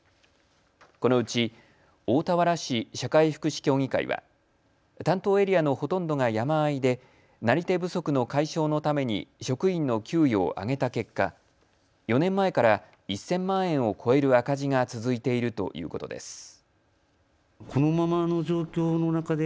このうち大田原市社会福祉協議会は担当エリアのほとんどが山あいでなり手不足の解消のために職員の給与を上げた結果、４年前から１０００万円を超える赤字が続いているということです。